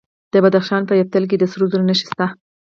د بدخشان په یفتل کې د سرو زرو نښې شته.